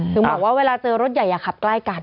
ถึงบอกว่าเวลาเจอรถใหญ่อย่าขับใกล้กัน